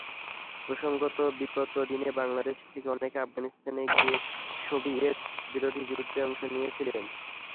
প্রসঙ্গত, বিগত দিনে বাংলাদেশ থেকে অনেকে আফগানিস্তানে গিয়ে সোভিয়েতবিরোধী যুদ্ধে অংশ নিয়েছিলেন।